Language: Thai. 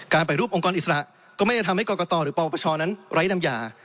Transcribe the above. การแบ่งรูปองค์กรอิสระก็ไม่ได้ทำให้กรกฎอร์หรือปรบประชานั้นไร้ดำยา